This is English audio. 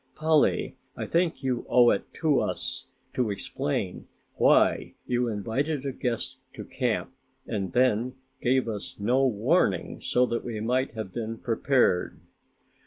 Polly, I think you owe it to us to explain why you invited a guest to camp and then gave us no warning so that we might have been prepared."